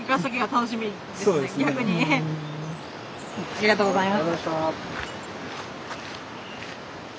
ありがとうございます。